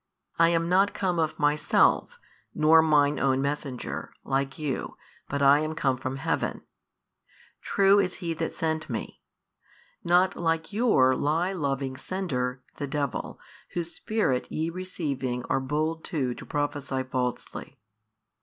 I am not come of Myself, nor Mine Own messenger, like you, but I am come from Heaven: True is He That sent Me, not like your lie loving sender, the devil, whose spirit ye receiving are bold too to prophesy falsely.